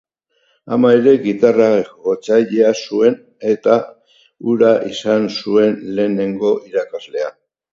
Ama ere gitarra-jotzailea zuen, eta hura izan zuen lehenengo irakaslea.